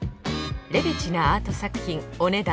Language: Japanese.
レベチなアート作品お値段